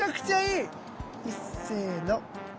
いっせいの。